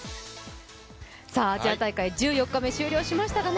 アジア大会１４日目終了しましたが。